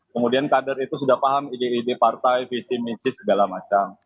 kemudian kader itu sudah paham ide ide partai visi misi segala macam